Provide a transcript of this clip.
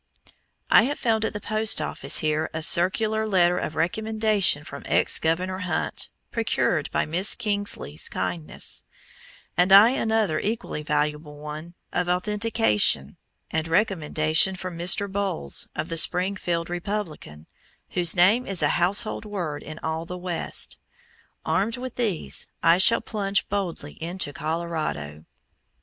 I have found at the post office here a circular letter of recommendation from ex Governor Hunt, procured by Miss Kingsley's kindness, and another equally valuable one of "authentication" and recommendation from Mr. Bowles, of the Springfield Republican, whose name is a household word in all the West. Armed with these, I shall plunge boldly into Colorado.